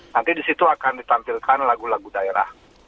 nanti di situ akan ditampilkan lagu lagu daerah